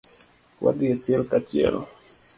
Wadhi achiel kachiel.